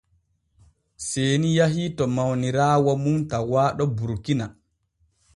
Seeni yahii to mawniraawo mum tawaaɗo Burkina.